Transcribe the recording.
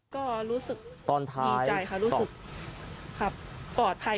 ก็รู้สึกตอนท้ายดีใจค่ะรู้สึกปลอดภัย